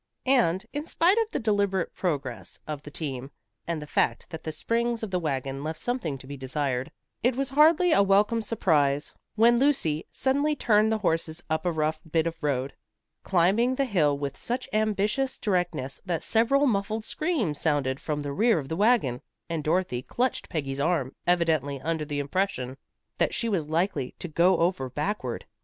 And, in spite of the deliberate progress of the team, and the fact that the springs of the wagon left something to be desired, it was hardly a welcome surprise when Lucy suddenly turned the horses up a rough bit of road, climbing the hill with such ambitious directness that several muffled screams sounded from the rear of the wagon, and Dorothy clutched Peggy's arm, evidently under the impression that she was likely to go over backward.